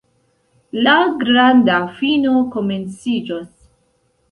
La granda fino komenciĝos.